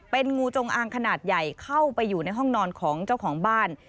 เป็นงูจงอางขนาดใหญ่เข้าไปอยู่ในห้องนอนของเจ้าของบ้าน